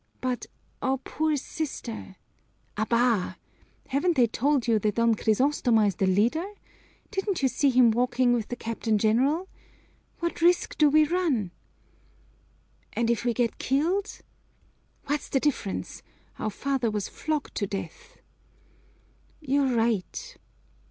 "But, our poor sister " "Abá! Haven't they told you that Don Crisostomo is the leader? Didn't you see him walking with the Captain General? What risk do we run?" "And if we get killed?" "What's the difference? Our father was flogged to death!" "You're right!"